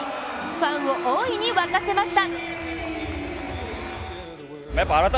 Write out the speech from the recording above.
ファンを大いに沸かせました。